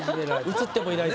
映ってもいないぞ。